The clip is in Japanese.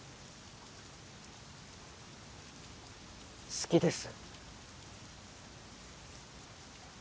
好きです。